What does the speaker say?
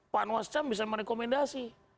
panwasjam bisa merekomendasi